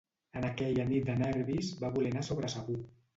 En aquella nit de nervis, va voler anar sobre segur.